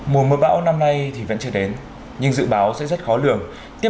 mùa mưa bão năm nay thì vẫn chưa đến nhưng dự báo sẽ rất khó lường